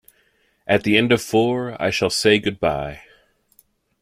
At the end of four, I shall say good-bye.